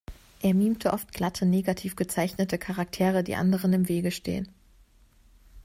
Er mimte oft glatte, negativ gezeichnete Charaktere, die anderen im Wege stehen.